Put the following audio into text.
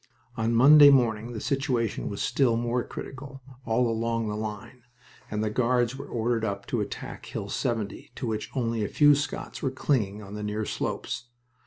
On Monday morning the situation was still more critical, all along the line, and the Guards were ordered up to attack Hill 70, to which only a few Scots were clinging on the near slopes.